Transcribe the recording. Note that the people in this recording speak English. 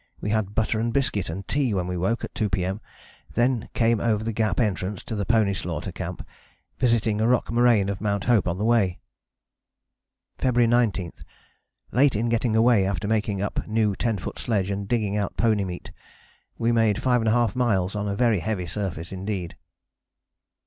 We had butter and biscuit and tea when we woke at 2 P.M., then came over the Gap entrance to the pony slaughter camp, visiting a rock moraine of Mt. Hope on the way." "February 19. Late in getting away after making up new 10 foot sledge and digging out pony meat. We made 5½ m. on a very heavy surface indeed."